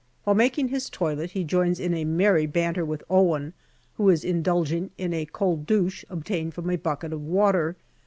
While making his toilet he joins in a merry banter with Owen, who is indulging in a cold douche ob tained from a bucket of water.